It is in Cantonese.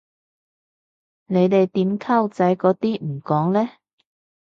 你哋點溝仔嗰啲唔講嘞？